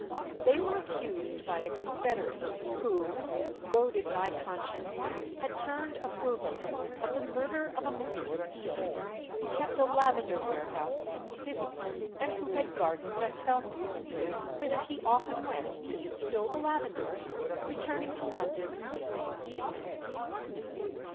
They were accused by a confederate, who, goaded by conscience, had turned approver, of the murder of a Mr. Steele, who kept a lavender warehouse in the city, and who had gardens at Feltham, whither he often went to distil the lavender, returning to London the same evening.